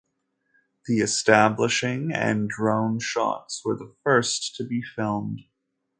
The establishing and drone shots were the first to be filmed.